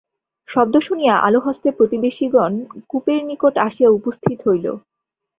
শব্দ শুনিয়া আলো হস্তে প্রতিবেশীগণ কূপের নিকট আসিয়া উপস্থিত হইল।